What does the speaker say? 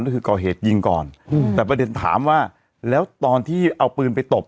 ก็คือก่อเหตุยิงก่อนอืมแต่ประเด็นถามว่าแล้วตอนที่เอาปืนไปตบ